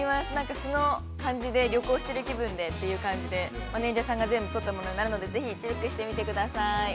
素の感じで旅行している気分でという感じでマネジャーさんが全部撮ったものになるので、注目してみてください。